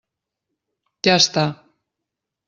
Ja està!